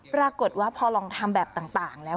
ปรากฏว่าพอลองทำแบบต่างแล้ว